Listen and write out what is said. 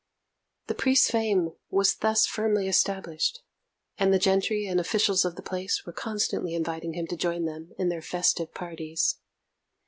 The priest's fame was thus firmly established, and the gentry and officials of the place were constantly inviting him to join them in their festive parties.